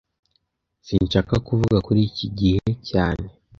Sinshaka kuvuga kuri iki gihe cyane